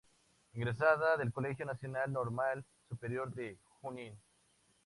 Egresada del Colegio Nacional Normal Superior de Junín.